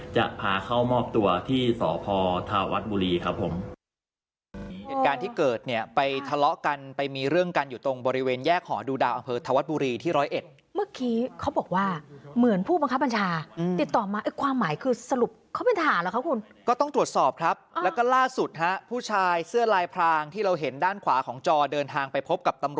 จะพาเข้ามอบตัวที่สพธาวัฒน์บุรีครับผม